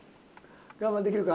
我慢できるか？